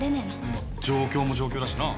まあ状況も状況だしな。